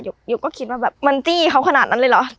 อยู่ก็คิดว่าแบบมันจี้เขาขนาดนั้นเลยเหรอ